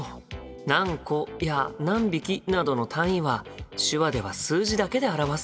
何個や何匹などの単位は手話では数字だけで表すんだ。